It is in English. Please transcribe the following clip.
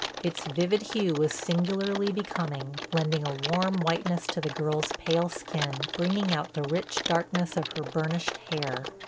Its vivid hue was singularly becoming, lending a warm whiteness to the girl's pale skin, bringing out the rich darkness of her burnished hair.